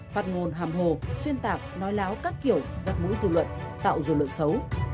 phát ngôn hàm hồ xuyên tạc nói láo các kiểu giặc mũi dư luận tạo dư luận xấu